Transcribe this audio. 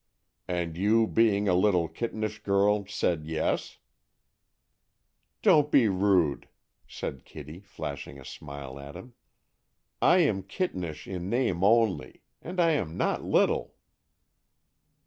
"And you, being a little, kittenish girl, said yes?" "Don't be rude," said Kitty, flashing a smile at him. "I am kittenish in name only. And I am not little!"